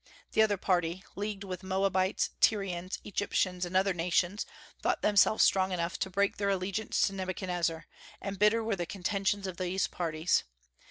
The other party, leagued with Moabites, Tyrians, Egyptians, and other nations, thought themselves strong enough to break their allegiance to Nebuchadnezzar; and bitter were the contentions of these parties.